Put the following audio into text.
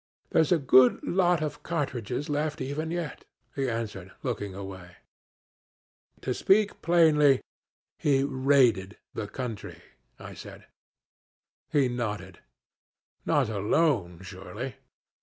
'There's a good lot of cartridges left even yet,' he answered, looking away. 'To speak plainly, he raided the country,' I said. He nodded. 'Not alone, surely!'